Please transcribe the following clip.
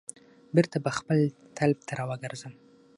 بیرته به خپل طلب ته را وګرځم.